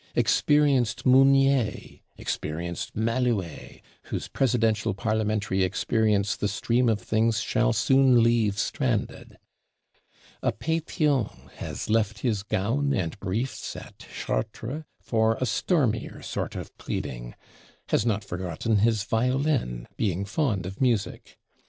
Experienced Mounier, experienced Malouet, whose Presidential Parlementary experience the stream of things shall soon leave stranded. A Pétion has left his gown and briefs at Chartres for a stormier sort of pleading; has not forgotten his violin, being fond of music.